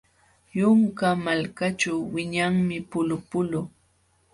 Yunka malakaćhu wiñanmi pulupulu.